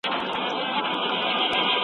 د جهالت ابۍ دې مړه شي